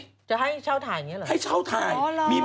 จะให้เช่าถ่ายอย่างเงี้ยเหรอ